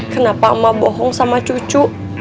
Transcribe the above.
kenapa emak bohong sama cucu